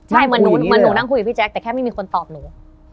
ใช่เหมือนหนูนั่งคุยกับพี่แจ๊คแต่แค่ไม่มีคนตอบหนู